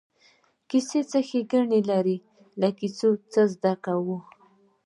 کیسې څه ښېګڼې لري له کیسو نه څه زده کوو.